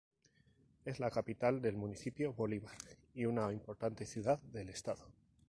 Es la capital del municipio Bolívar y una importante ciudad del estado.